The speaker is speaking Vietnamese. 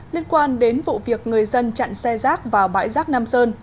liên quan đến vụ việc người dân chặn xe rác vào bãi rác nam sơn